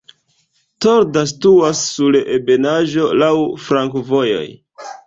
Torda situas sur ebenaĵo, laŭ flankovojoj.